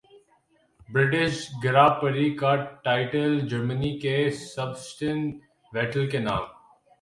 British گراں پری کا title Germany کے سبسٹن ویٹل کے نام